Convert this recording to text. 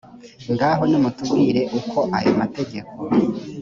ngaho nimutubwire uko ayo mategeko